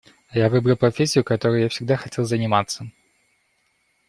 Я выбрал профессию, которой я всегда хотел заниматься.